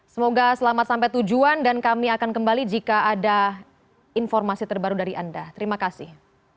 semoga selamat sampai tujuan dan kami akan kembali jika ada informasi terbaru dari anda terima kasih